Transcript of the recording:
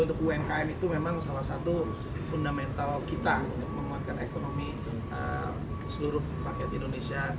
untuk umkm itu memang salah satu fundamental kita untuk menguatkan ekonomi seluruh rakyat indonesia